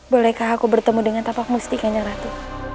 bolehkah aku bertemu dengan tapak mustikanya ratu